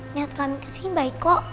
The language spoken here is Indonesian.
niat kami kesini baik kok